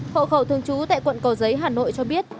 hộ khẩu thường trú tại quận cầu giấy hà nội cho biết